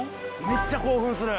めっちゃ興奮する。